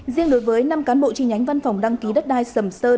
riêng đối với năm cán bộ chi nhánh văn phòng đăng ký đất đai sầm sơn